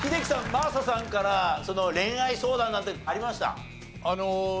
真麻さんから恋愛相談なんてありました？